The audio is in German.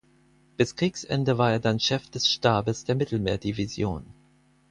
Bis Kriegsende war er dann Chef des Stabes der Mittelmeerdivision.